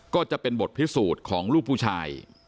ก็จะเป็นบทพิสูจน์ของลูกผู้ชาย